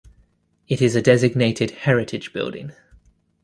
It is a designated heritage building.